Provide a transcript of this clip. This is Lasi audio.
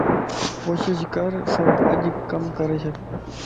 ڪوشش ڪر سڀ اڄ ڪم ڪري ڇڏ